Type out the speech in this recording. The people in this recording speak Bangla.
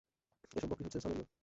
এসব বকরী হচ্ছে সামেরীয়।